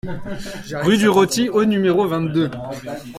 Rue du Roty au numéro vingt-deux